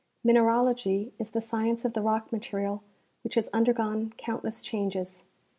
Min eralogy is the science of the rock material which has undergone countless changes.